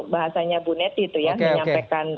bahasanya bu neti itu ya menyampaikan